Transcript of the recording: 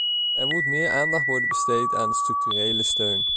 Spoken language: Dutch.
Er moet meer aandacht worden besteed aan structurele steun.